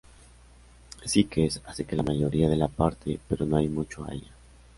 Sykes hace que la mayoría de la parte, pero no hay mucho a ella.